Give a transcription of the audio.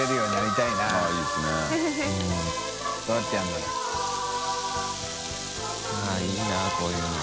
いいなこういうの。